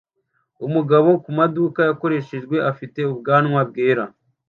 Umugabo kumaduka yakoreshejwe afite ubwanwa bwera